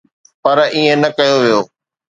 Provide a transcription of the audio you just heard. پر ائين نه ڪيو ويو.